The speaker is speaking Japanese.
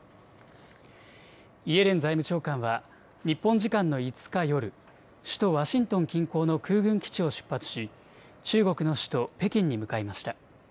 イエレン財務長官は日本時間の５日夜、首都ワシントン近郊の空軍基地を出発し、中国の首都・北京に向かいました。